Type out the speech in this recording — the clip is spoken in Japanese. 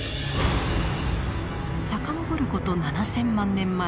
遡ること７，０００万年前。